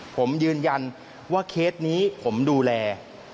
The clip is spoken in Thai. ผมยืนยันว่าเคสนี้ผมดูแล